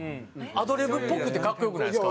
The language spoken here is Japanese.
アドリブっぽくて格好良くないですか？